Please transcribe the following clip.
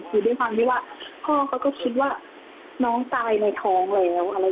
คือด้วยความที่ว่าพ่อเขาก็คิดว่าน้องตายในท้องแล้ว